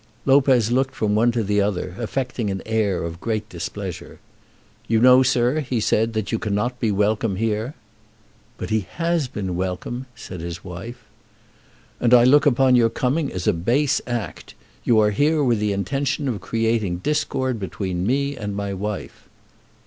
Lopez looked from one to the other, affecting an air of great displeasure. "You know, sir," he said, "that you cannot be welcome here." "But he has been welcome," said his wife. "And I look upon your coming as a base act. You are here with the intention of creating discord between me and my wife."